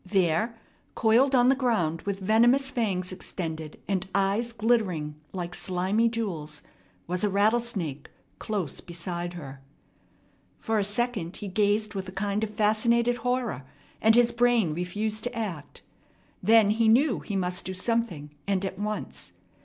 There, coiled on the ground with venomous fangs extended and eyes glittering like slimy jewels, was a rattlesnake, close beside her. For a second he gazed with a kind of fascinated horror, and his brain refused to act. Then he knew he must do something, and at once.